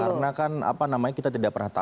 karena kan apa namanya kita tidak pernah berhenti